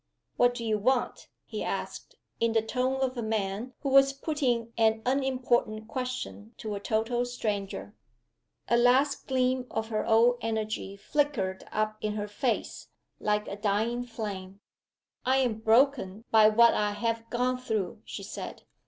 "What do you want?" he asked, in the tone of a man who was putting an unimportant question to a total stranger. A last gleam of her old energy flickered up in her face, like a dying flame. "I am broken by what I have gone through," she said.